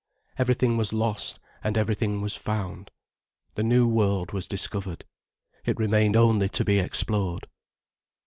Everything was lost, and everything was found. The new world was discovered, it remained only to be explored.